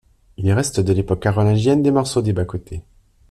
Il reste de l'époque carolingienne, des morceaux des bas-côtés.